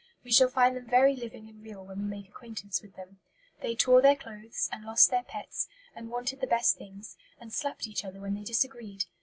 We shall find them very living and real when we make acquaintance with them. They tore their clothes, and lost their pets, and wanted the best things, and slapped each other when they disagreed.